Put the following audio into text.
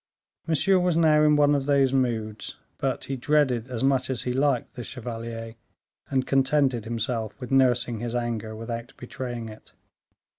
Monsieur was now in one of those moods, but he dreaded as much as he liked the chevalier, and contented himself with nursing his anger without betraying it.